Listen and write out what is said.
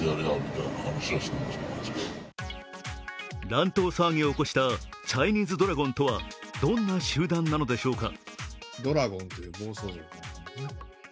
乱闘騒ぎを起こしたチャイニーズドラゴンとはどんな集団なのでしょうか。